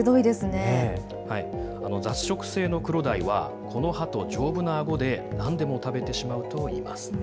雑食性のクロダイは、この歯と丈夫なあごで、なんでも食べてしまうといいます。